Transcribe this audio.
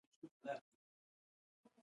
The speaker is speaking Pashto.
ژمی د افغانستان طبعي ثروت دی.